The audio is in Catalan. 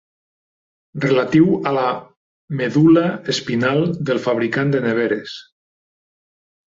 Relatiu a la medul·la espinal del fabricant de neveres.